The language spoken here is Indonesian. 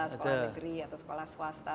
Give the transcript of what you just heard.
sekolah negeri atau sekolah swasta